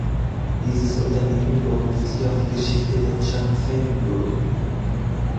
Dieses Unternehmen beruft sich auf die Geschichte der Changfeng Group.